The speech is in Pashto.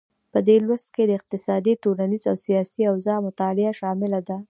په دې لوست کې د اقتصادي، ټولنیزې او سیاسي اوضاع مطالعه شامله ده.